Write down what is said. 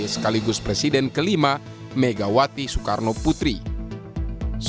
sekaligus presiden kelima megawati soekarnopoulos